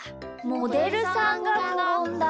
「モデルさんがころんだ」？